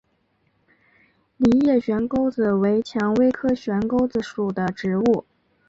梨叶悬钩子为蔷薇科悬钩子属的植物。